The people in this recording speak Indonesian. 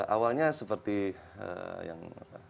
awalnya seperti yang